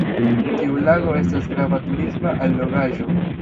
Tiu lago estas grava turisma allogaĵo.